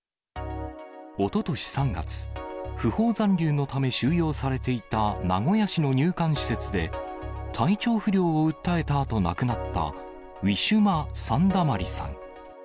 おととし３月、不法残留のため収容されていた名古屋市の入管施設で、体調不良を訴えたあと亡くなった、ウィシュマ・サンダマリさん。